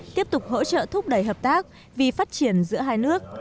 tiếp tục hỗ trợ thúc đẩy hợp tác vì phát triển giữa hai nước